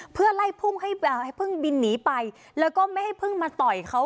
เพื่อไล่พุ่งให้เพิ่งบินหนีไปแล้วก็ไม่ให้เพิ่งมาต่อยเขา